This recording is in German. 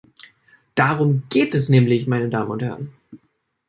Darum geht es nämlich, meine Damen und Herren.